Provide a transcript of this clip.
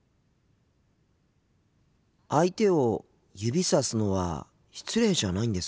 相手を指さすのは失礼じゃないんですか？